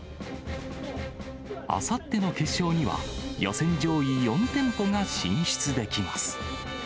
あさっての決勝には、予選上位４店舗が進出できます。